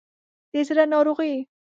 د زړه ناروغي